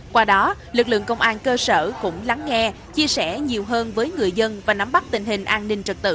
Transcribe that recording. qua đó lực lượng công an cơ sở cũng lắng nghe chia sẻ nhiều hơn với người dân và nắm bắt tình hình an ninh trật tự